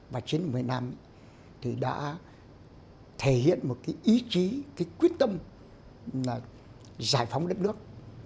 và chiến dịch miền nam thì đã thể hiện một cái ý chí cái quyết tâm giải phóng đất nước